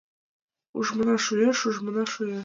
Ужмына шуэш, ужмына шуэш